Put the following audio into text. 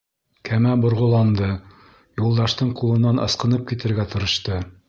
Кәмә борғоланды, Юлдаштың ҡулынан ысҡынып китергә тырышты.